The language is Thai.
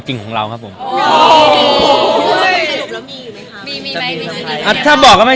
ที่ออกงานเป็นคู่กันทั้งแรกกับแม่